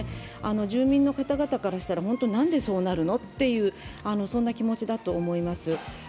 住民の方々からしたら何でそうなるのっていうそんな気持ちだと思います。